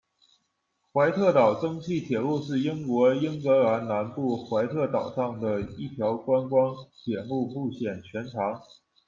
怀特岛蒸汽铁路是英国英格兰南部怀特岛上的一条观光铁路路线，全长。